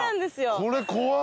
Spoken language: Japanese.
これ怖っ！